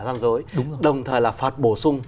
gian dối đồng thời là phạt bổ sở